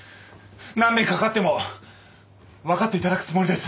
何年かかっても分かっていただくつもりです。